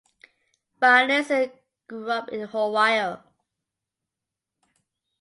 Rynearson grew up in Ohio.